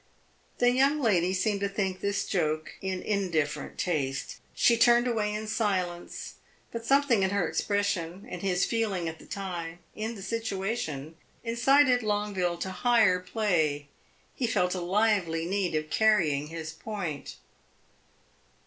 The young lady seemed to think this joke in indifferent taste. She turned away in silence; but something in her expression, in his feeling at the time, in the situation, incited Longueville to higher play. He felt a lively need of carrying his point.